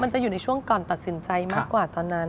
จะอยู่ในช่วงก่อนตัดสินใจมากกว่าตอนนั้น